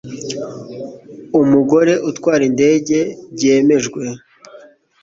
umugore utwara indege byemejwe